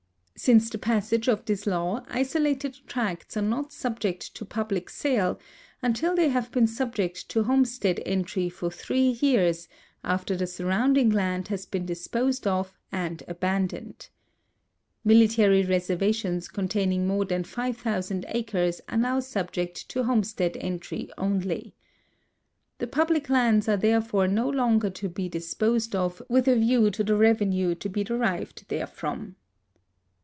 Since the passage of this law isolated tracts are not subject to public sale until they have been subject to homestead entry for three years after the surrounding land has been disposed of and abandoned. Mili tary reservations containing more than 5,000 acres are now sub ject to homestead entry only. The public lands are therefore ho longer to be disposed of with a view to the revenue to be derived therefrom.